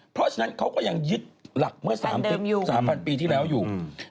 เพราะฉะนั้นเขาก็ยังยึดหลักเมื่อ๓๓๐๐ปีที่แล้วอยู่